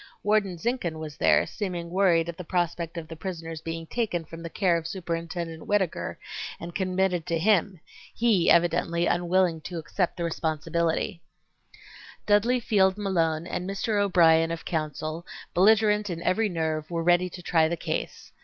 Warden Zinkhan was there seeming worried at the prospect of the prisoners being taken from the care of Superintendent Whittaker and committed to him—he evidently unwilling to accept the responsibility. Appointed to the bench by President Roosevelt. Dudley Field Malone and Mr. O'Brien of counsel, belligerent in every nerve, were ready to try the case.